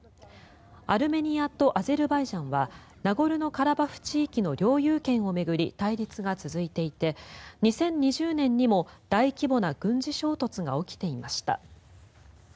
アルメニアとアゼルバイジャンはナゴルノカラバフ地域の領有権を巡り対立が続いていて２０２０年にも大規模な軍事衝突が起きていました。